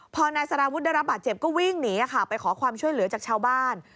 พอนายสารวุฒิได้รับบาดเจ็บก็วิ่งหนีไปขอความช่วยเหลือจากชาวบ้าน